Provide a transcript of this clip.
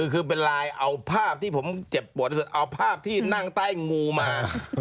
คือเป็นไลน์เอาภาพที่ผมเจ็บปวดที่สุดเอาภาพที่นั่งใต้งูมา